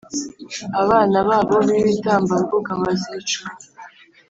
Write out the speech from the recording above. abana babo b’ibitambambuga bazicwe,